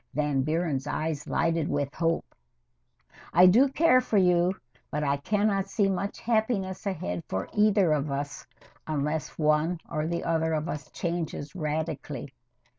[Van Buren's eyes lighted with hope.] I do care for you, but I can not see much happiness ahead for either of us unless one or the other of us changes radically.